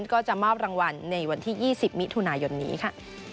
ก็จะมอบรางวัลในวันที่๒๐มิถุนายนนี้ค่ะ